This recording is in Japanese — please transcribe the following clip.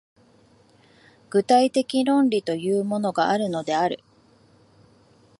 具体的論理というものがあるのである。